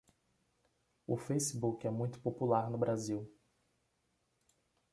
O Facebook é muito popular no Brasil